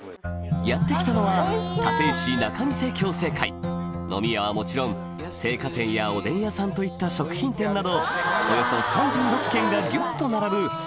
やって来たのは飲み屋はもちろん青果店やおでん屋さんといった食品店などおよそ３６軒がギュっと並ぶ昭和の風情あふれる商店街だ